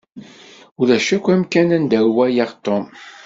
Ulac akk amkan anda i walaɣ Tom.